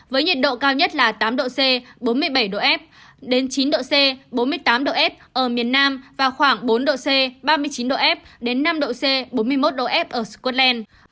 với nhiệt độ cao nhất là tám độ c bốn mươi bảy độ f đến chín độ c bốn mươi tám độ f ở miền nam và khoảng bốn độ c ba mươi chín độ f đến năm độ c bốn mươi một độ f ở scotland